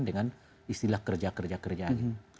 dengan istilah kerja kerja kerjaan